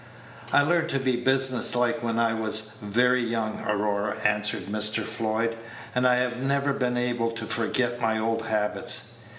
"I learned to be business like when I was very young, Aurora," answered Mr. Floyd, "and I have never been able to forget my old habits."